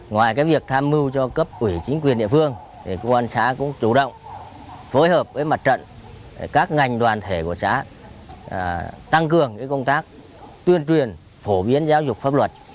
nhiều công tác tuyên truyền phổ biến giáo dục pháp luật